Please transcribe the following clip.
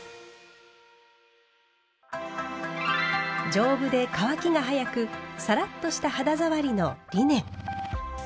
丈夫で乾きが早くサラッとした肌触りのリネン。